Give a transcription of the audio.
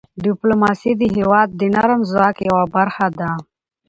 ډيپلوماسي د هېواد د نرم ځواک یوه برخه ده.